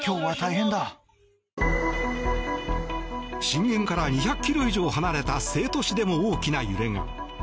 震源から２００ｋｍ以上離れた成都市でも大きな揺れが。